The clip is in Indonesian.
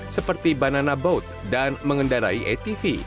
seperti banana boat dan mengendarai atv